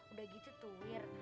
udah gitu tuwir